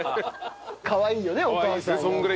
かわいいよねお母さんなんか。